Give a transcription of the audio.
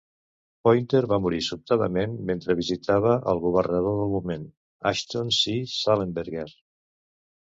Poynter va morir sobtadament mentre visitava al governador del moment, Ashton C. Shallenberger.